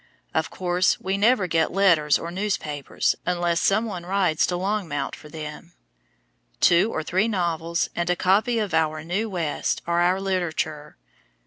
Of course, we never get letters or newspapers unless some one rides to Longmount for them. Two or three novels and a copy of Our New West are our literature.